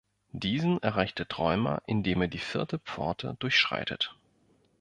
Diesen erreicht der Träumer, indem er die vierte Pforte durchschreitet.